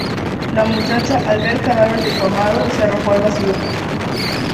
La muchacha, al ver el cadáver de su amado, se arroja al vacío.